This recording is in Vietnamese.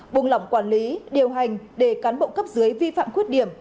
buông lỏng quản lý điều hành để cán bộ cấp dưới vi phạm khuyết điểm